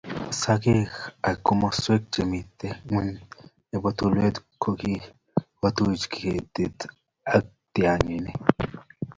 Sokek ak komoswek chemi ngwony nebo tulwet kokikotuch ketik ak tianginik